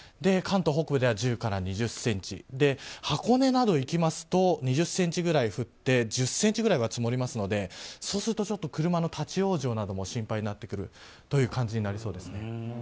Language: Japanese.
関東北部では１０２０ｃｍ箱根など行きますと２０ｃｍぐらい降って１０ｃｍくらいは積もりますのでそうすると車の立ち往生なども心配になってくるという感じになりそうです。